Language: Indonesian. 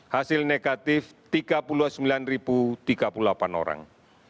hasil negatif tiga puluh sembilan tiga puluh delapan orang